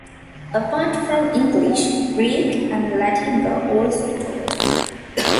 Apart from English, Greek and Latin were also taught.